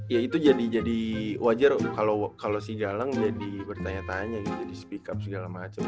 ya itu jadi wajar kalau si galang jadi bertanya tanya gitu jadi speak up segala macam